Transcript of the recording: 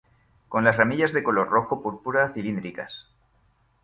Con las ramillas de color rojo púrpura, cilíndricas.